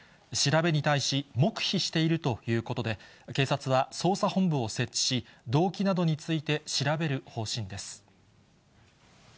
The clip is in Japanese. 調べに対し、黙秘しているということで、警察は捜査本部を設置し、動機などについて調べる方針です。